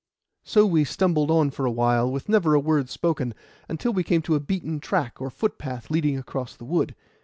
So we stumbled on for a while, with never a word spoken, until we came to a beaten track or footpath leading across the wood.